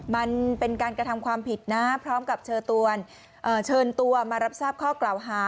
มันเป็นการกระทำความผิดนะพร้อมกับเชิญตัวมารับทราบข้อกล่าวหา